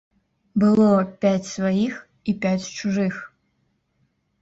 Было пяць сваіх і пяць чужых.